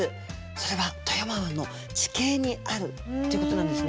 それは富山湾の地形にあるっていうことなんですね。